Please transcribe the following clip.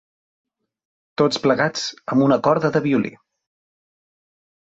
Tots plegats amb una corda de violí.